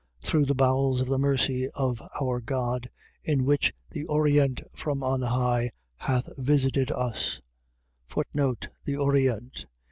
1:78. Through the bowels of the mercy of our God, in which the Orient from on high hath visited us: The Orient.